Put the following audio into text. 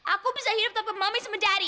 aku bisa hidup tanpa mami sama dadi